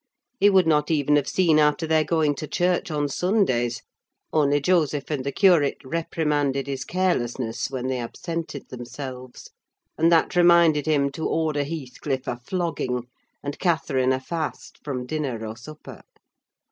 He would not even have seen after their going to church on Sundays, only Joseph and the curate reprimanded his carelessness when they absented themselves; and that reminded him to order Heathcliff a flogging, and Catherine a fast from dinner or supper.